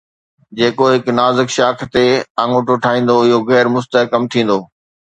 جيڪو هڪ نازڪ شاخ تي آڱوٺو ٺاهيندو، اهو غير مستحڪم ٿيندو